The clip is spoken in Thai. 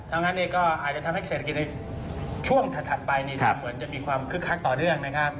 งั้นก็อาจจะทำให้เศรษฐกิจในช่วงถัดไปเหมือนจะมีความคึกคักต่อเนื่องนะครับ